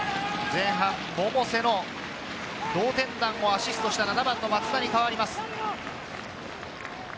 前半、百瀬の同点弾をアシストした松田に代わります。